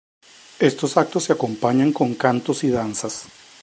Estos actos se acompañan con cantos y danzas.